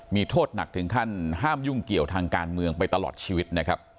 มีโทษหนักถึงขั้นห้ามยุ่งเกี่ยวทางการเมืองไปตลอดชีวิตนะครับ